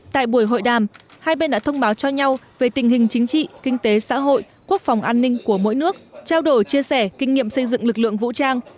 tại buổi hội đàm hai bên đã thông báo cho nhau về tình hình chính trị kinh tế xã hội quốc phòng an ninh của mỗi nước trao đổi chia sẻ kinh nghiệm xây dựng lực lượng vũ trang